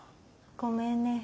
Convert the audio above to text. ごめんね。